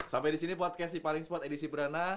sampai disini podcast si paling sport edisi berana